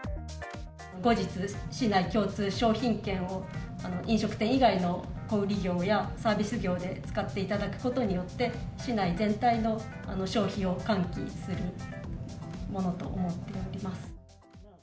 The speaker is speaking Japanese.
後日、市内共通商品券を飲食店以外の小売業やサービス業で使っていただくことによって、市内全体の消費を喚起するものと思っております。